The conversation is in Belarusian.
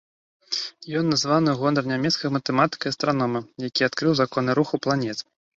Ён названы ў гонар нямецкага матэматыка і астранома, які адкрыў законы руху планет.